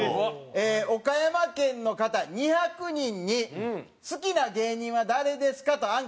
岡山県の方２００人に「好きな芸人は誰ですか？」とアンケートを取りました。